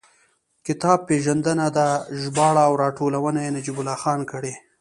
کتاب پېژندنه ده، ژباړه او راټولونه یې نجیب الله خان کړې.